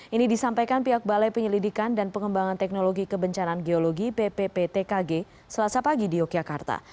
ini disampaikan pihak balai penyelidikan dan pengembangan teknologi kebencanaan geologi ppptkg selasa pagi di yogyakarta